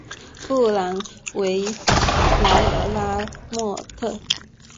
布兰维莱尔拉莫特。